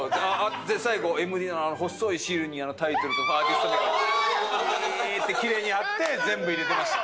で最後ＭＤの細いシールにタイトルとかアーティスト名ピーッてキレイに貼って全部入れてました。